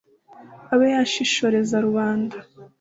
abe yashishoreza rubanda!